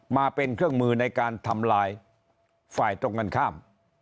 มาเป็นเครื่องมือในการทำลายฝ่ายตรงกันข้าม